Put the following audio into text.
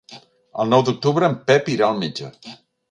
El nou d'octubre en Pep irà al metge.